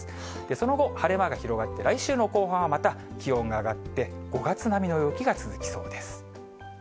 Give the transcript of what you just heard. その後、晴れ間が広がって、来週の後半はまた気温が上がって、５月並みの陽気が続きそうです。